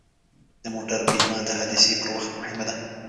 د موټر بیمه د حادثې پر وخت مهمه ده.